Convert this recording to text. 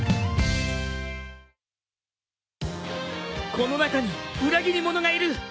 この中に裏切り者がいる！